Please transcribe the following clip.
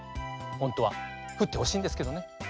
ほんとはふってほしいんですけどね。